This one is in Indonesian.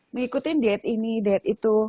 ngikutin diet ini diet itu